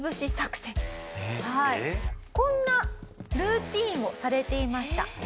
こんなルーティンをされていました。